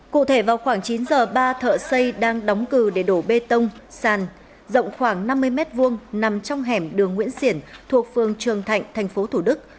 cụ thể vào khoảng chín h ba thợ xây đang đóng cửa để đổ bê tông sàn rộng khoảng năm mươi m hai nằm trong hẻm đường nguyễn xiển thuộc phường trường thạnh thành phố thủ đức